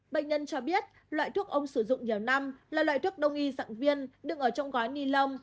bệnh nhân cho biết loại thuốc ông sử dụng nhiều năm là loại thuốc đông y dạng viên đứng ở trong gói ni lông